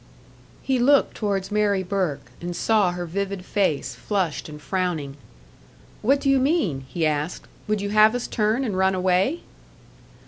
He looked towards Mary Burke, and saw her vivid face, flushed and frowning. "What do you mean?" he asked. "Would you have us turn and run away?"